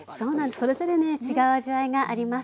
それぞれね違う味わいがあります。